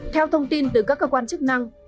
theo thông tin từ các cơ quan chức năng